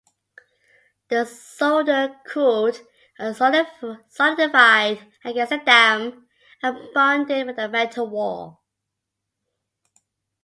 The solder cooled and solidified against the dam and bonded with the metal wall.